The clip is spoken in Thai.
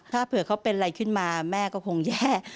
ถ้าเผื่อเขาเป็นอะไรขึ้นมาแม่ก็คงแย่